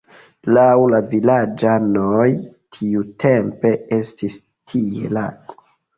Laŭ la vilaĝanoj tiutempe estis tie lago.